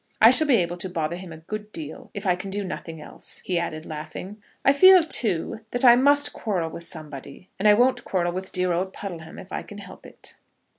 I shall be able to bother him a good deal, if I can do nothing else," he added, laughing. "I feel, too, that I must quarrel with somebody, and I won't quarrel with dear old Puddleham, if I can help it."